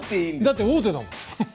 だって王手だもん。